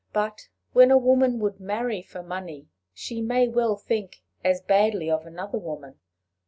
But when a woman would marry for money, she may well think as badly of another woman."